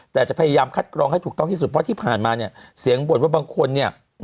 แต่จะพยายามคัดกรองให้ถูกต้องที่สุดเพราะที่ผ่านมาเนี่ยเสียงบ่นว่าบางคนเนี่ย